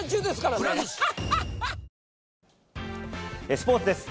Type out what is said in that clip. スポーツです。